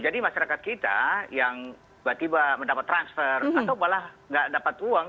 jadi masyarakat kita yang tiba tiba mendapat transfer atau malah tidak dapat uang